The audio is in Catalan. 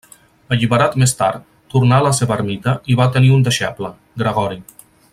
Alliberat més tard, tornà a la seva ermita i va tenir un deixeble, Gregori.